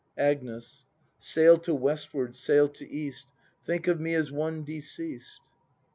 Agnes. Sail to westward, sail to east; — Think of me as one deceased.